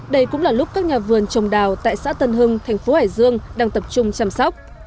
đây cũng là lúc các nhà vườn trồng đào tại xã tân hưng thành phố hải dương đang tập trung chăm sóc